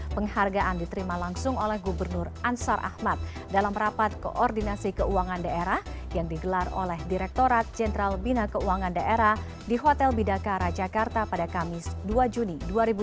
penghargaan diterima langsung oleh gubernur ansar ahmad dalam rapat koordinasi keuangan daerah yang digelar oleh direkturat jenderal bina keuangan daerah di hotel bidakara jakarta pada kamis dua juni dua ribu dua puluh